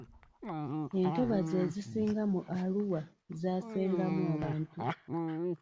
Entobazi ezisinga mu Arua zaasengemu abantu.